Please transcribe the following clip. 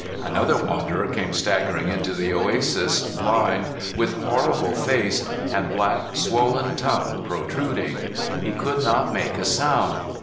Another wanderer came staggering into the oasis, blind, with horrible face, and black swollen tongue protruding. He could not make a sound.